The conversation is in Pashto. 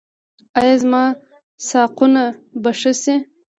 ایا زما ساقونه به ښه شي؟